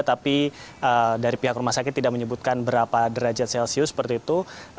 tapi dari pihak rumah sakit tidak menyebutkan berapa derajat celcius seperti itu